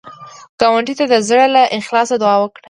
ګاونډي ته د زړه له اخلاص دعا وکړه